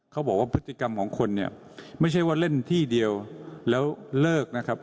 เขาบอกว่าพฤติกรรมของคนเนี่ยไม่ใช่ว่าเล่นที่เดียวแล้วเลิกนะครับ